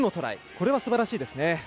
これは、すばらしいですね。